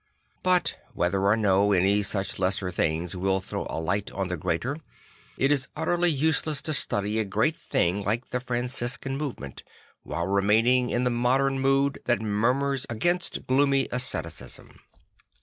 But ,vhether or no any such lesser things will throw a light on the greater, it is utterly useless to study a great thing like the Franciscan movement while remaining in the modem mood that murmurs against gloomy asceticism.